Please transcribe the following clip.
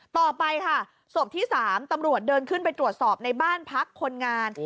ต่อไปค่ะศพที่๓ตำรวจเดินขึ้นไปตรวจสอบในบ้านพักคนงาน